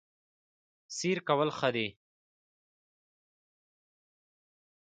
سیر کول ښه دي